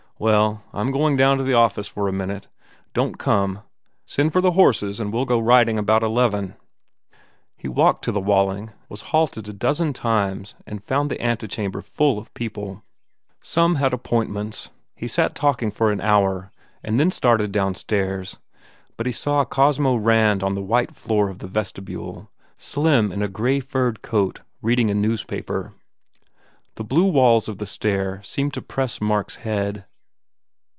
Well, I m going down to the office for a minute. Don t come. Send for the horses and we ll go riding about eleven." He walked to the Walling, was halted a dozen times and found the antechamber full of people. 284 THE WALLING Some had appointments. He sat talking for an hour and then started downstairs. But he saw Cosmo Rand on the white floor of the vestibule, slim in a grey furred coat, reading a newspaper. The blue walls of the stair seemed to press Mark s head.